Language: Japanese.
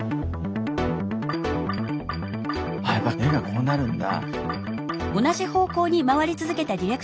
あやっぱ目がこうなるんだ。